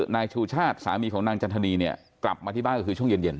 นายชูชาติสามีของนางจันทนีเนี่ยกลับมาที่บ้านก็คือช่วงเย็น